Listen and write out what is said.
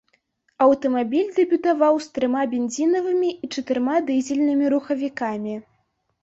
Аўтамабіль дэбютаваў з трыма бензінавымі і чатырма дызельнымі рухавікамі.